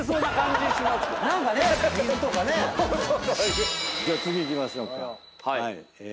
じゃあ次いきましょうか。